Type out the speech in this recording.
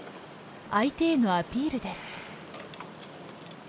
相手へのアピールです。